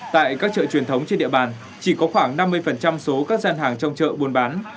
tại các chợ truyền thống trên địa bàn chỉ có khoảng năm mươi số các gian hàng trong chợ buôn bán